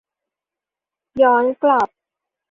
ย้อนกลับ